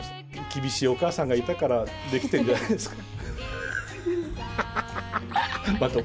厳しいお母さんがいたから出来てんじゃないですか。